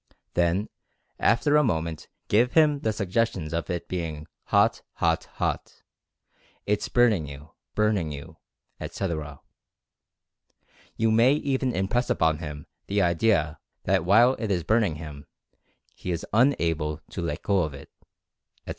Then after a mo ment give him the suggestions of it being "hot, hot, hot — it's burning you, burning you," etc. You may even impress upon him the idea that while it is burn ing him, he is unable to let go of it, etc.